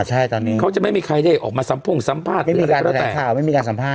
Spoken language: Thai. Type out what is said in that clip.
ใช่ตอนนี้เขาจะไม่มีใครได้ออกมาสัมพุ่งสัมภาษณ์ไม่มีการแสดงข่าวไม่มีการสัมภาษณ์